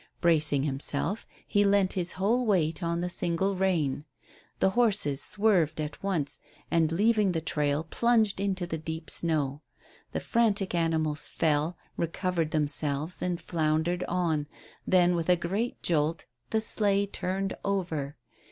Bracing himself, he leant his whole weight on the single rein. The horses swerved at once, and leaving the trail plunged into the deep snow. The frantic animals fell, recovered themselves, and floundered on, then with a great jolt the sleigh turned over.